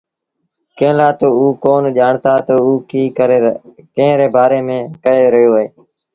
ڪݩهݩ لآ تا اوٚ ڪون ڄآڻتآ تا اوٚ ڪݩهݩ ري بآري ميݩ ڪهي رهيو اهي۔